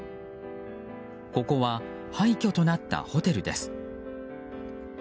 ここは廃虚となったホテルです。